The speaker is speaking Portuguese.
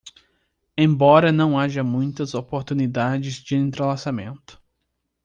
Embora não haja muitas oportunidades de entrelaçamento